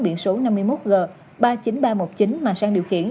điện số năm mươi một g ba mươi chín nghìn ba trăm một mươi chín mà sang điều khiển